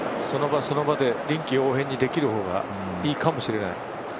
その場その場で臨機応変にできる方がいいかもしれない。